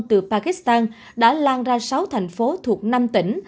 từ pakistan đã lan ra sáu thành phố thuộc năm tỉnh